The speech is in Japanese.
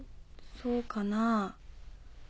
そうかなぁ。